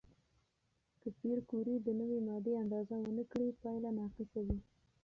که پېیر کوري د نوې ماده اندازه ونه کړي، پایله ناقصه وي.